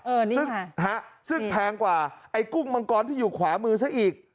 เออนี่ค่ะนี่ค่ะซึ่งแพงกว่าไอ้กุ้งมังกรที่อยู่ขวามื้อซะอีก